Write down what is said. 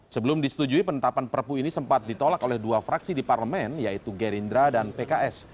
sebelum disetujui penetapan perpu ini sempat ditolak oleh dua fraksi di parlemen yaitu gerindra dan pks